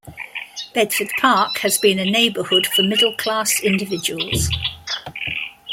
Bedford Park has been a neighbourhood for middle class individuals.